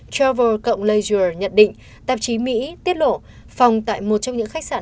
travel laser nhận định tạp chí mỹ tiết lộ phòng tại một trong những khách sạn